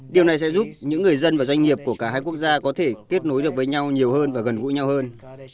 điều này sẽ giúp những người dân và doanh nghiệp của cả hai quốc gia có thể kết nối được với nhau nhiều hơn và gần gũi nhau hơn